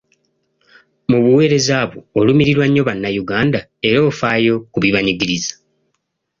Mu buweereza bwo olumirirwa nnyo Bannayuganda era ofaayo ku bibanyigiriza.